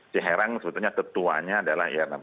ciherang sebetulnya ketuanya adalah ir enam puluh empat